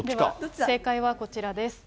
正解はこちらです。